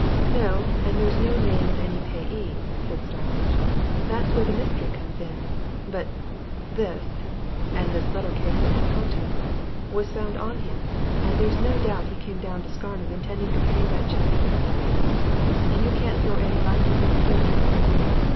"No and there's no name of any payee," said Starmidge. "That's where the mystery comes in. But this and this letter case and its contents was found on him, and there's no doubt he came down to Scarnham intending to pay that cheque to somebody. You can't throw any light on that, sir?"